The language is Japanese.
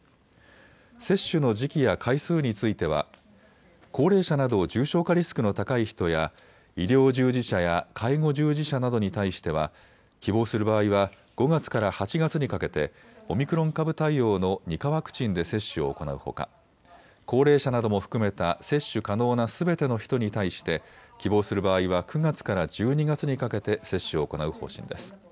接種の時期や回数については高齢者など重症化リスクの高い人や医療従事者や介護従事者などに対しては希望する場合は５月から８月にかけてオミクロン株対応の２価ワクチンで接種を行うほか高齢者なども含めた接種可能なすべての人に対して希望する場合は９月から１２月にかけて接種を行う方針です。